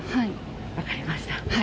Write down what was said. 分かりました。